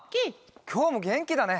きょうもげんきだね。